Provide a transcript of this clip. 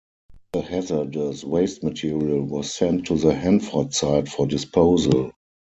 The hazardous waste material was sent to the Hanford Site for disposal.